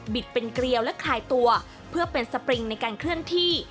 เป็นเกลียวและคลายตัวเพื่อเป็นสปริงในการเคลื่อนที่